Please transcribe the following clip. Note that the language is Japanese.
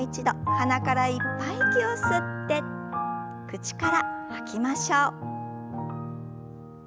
鼻からいっぱい息を吸って口から吐きましょう。